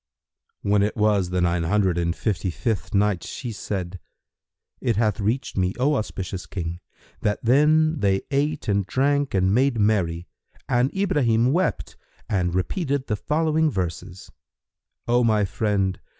When it was the Nine Hundred and Fifty fifth Night, She said, It hath reached me, O auspicious King, that then they ate and drank and made merry, and Ibrahim wept and repeated the following verses, "O my friend!